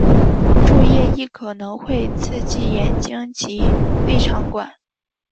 树液亦可能会刺激眼睛及胃肠管。